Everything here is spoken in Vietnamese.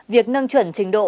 việc nâng chuẩn trình độ